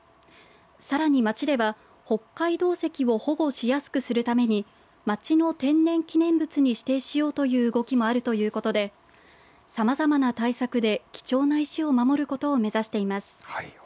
さらに町では北海道石を保護しやすくするために町の天然記念物に指定しようという動きもあるということでさまざまな対策で貴重な石を守ることを目指しています。